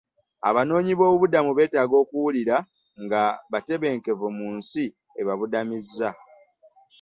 Abanoonyiboobubudamu beetaaga okuwulira nga batebenkevu mu nsi ebabudamizza.